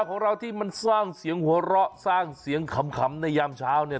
ของเราที่มันสร้างเสียงหัวเราะสร้างเสียงขำในยามเช้าเนี่ย